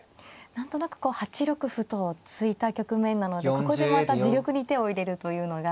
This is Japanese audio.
何となくこう８六歩と突いた局面なのでここでまた自玉に手を入れるというのが。